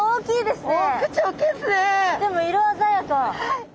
でも色鮮やか。